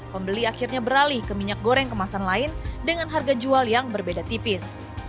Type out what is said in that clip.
pembeli akhirnya beralih ke minyak goreng kemasan lain dengan harga jual yang berbeda tipis